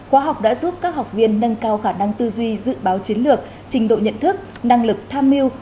khóa học đã giúp các học viên nâng cao khả năng tư duy dự báo chiến lược trình độ nhận thức năng lực tham mưu